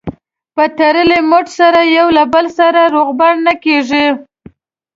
په تړلي مټ سره یو له بل سره روغبړ نه کېږي.